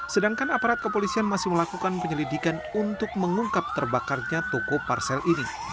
sedangkan aparat kepolisian masih melakukan penyelidikan untuk mengungkap terbakarnya toko parsel ini